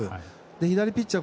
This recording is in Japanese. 左ピッチャー